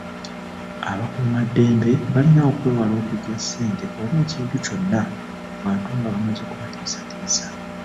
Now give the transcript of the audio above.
Abakuumaddembe balina okwewala okuggya ssente oba ekintu kyonna ku bantu nga bamaze kubatiisatiisa.